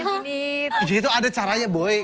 jadi itu ada caranya boy